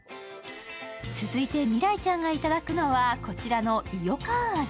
続いて、未来ちゃんがいただくのはこちらの伊予かん味。